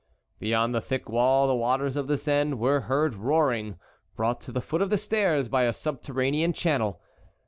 Beyond the thick wall the waters of the Seine were heard roaring, brought to the foot of the stairs by a subterranean channel.